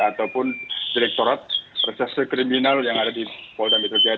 ataupun direkturat reserse kriminal yang ada di polda metro jaya